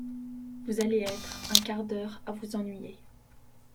Vous allez être un quart d’heure à vous ennuyer.